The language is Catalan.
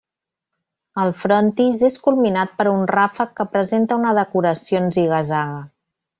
El frontis és culminat per un ràfec que presenta una decoració en ziga-zaga.